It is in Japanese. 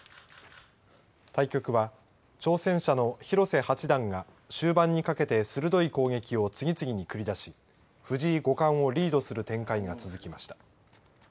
対局は、挑戦者の広瀬八段が終盤にかけて鋭い攻撃を次々に繰り出し藤井五冠をリードする展開が続きました。